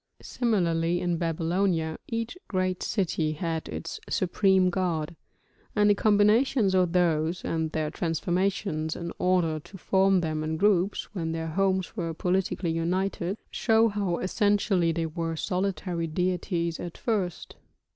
Similarly in Babylonia each great city had its supreme god; and the combinations of those, and their transformations in order to form them in groups when their homes were politically united, show how essentially they were solitary deities at first.